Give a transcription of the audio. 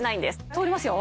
通りますよ？